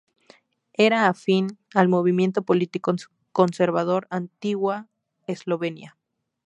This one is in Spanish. Era afín al movimiento político conservador Antigua Eslovenia.